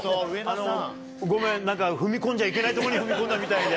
何か踏み込んじゃいけないとこに踏み込んだみたいで。